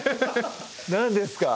何ですか？